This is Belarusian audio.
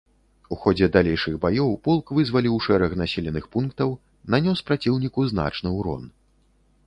У ходзе далейшых баёў полк вызваліў шэраг населеных пунктаў, нанёс праціўніку значны ўрон.